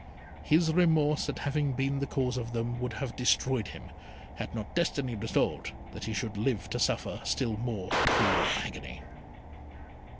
His remorse at having been the cause of them would have destroyed him, had not Destiny resolved that he should live to suffer still more cruel agony.